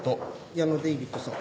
矢野デイビッドさん。